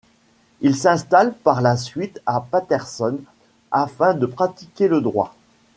Il s'installe par la suite à Paterson afin de pratiquer le droit.